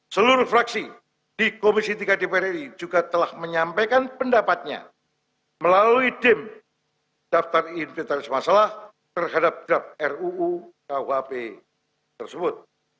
seluruh fraksi di komisi tiga dpr ri juga telah menyampaikan pendapatnya melalui dim daftar inventaris masalah terhadap draft ruu kuhp tersebut